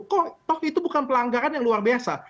kok toh itu bukan pelanggaran yang luar biasa